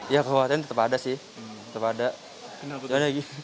ya kekhawatiran tetap ada sih tetap ada gitu